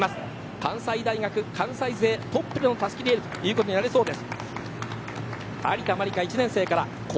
関西大学、関西勢トップでのたすきリレーということになりそうです。